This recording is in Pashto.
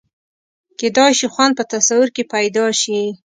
کېدای شي خوند په تصور کې پیدا شي.